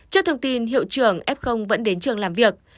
trước thông tin hiệu trưởng f vẫn đến trường làm việc